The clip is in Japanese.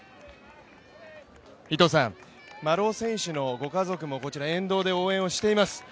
丸尾選手のご家族もこちら沿道で応援をしています。